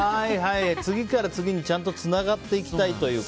次から次にちゃんとつながっていきたいというか。